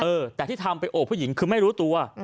เออแต่ที่ทำไปโอบผู้หญิงคือไม่รู้ตัว